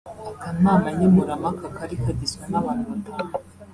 Akanama nkemurampaka kari kagizwe n’abantu batanu